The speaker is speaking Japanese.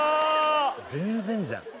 全然じゃん。